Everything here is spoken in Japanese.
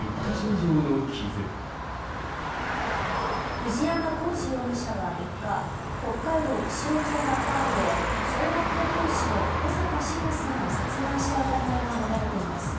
藤山功至容疑者は３日北海道釧路町のアパートで小学校教師の小阪志保さんを殺害した疑いが持たれています。